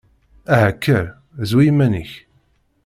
Aha kker, zwi iman-ik!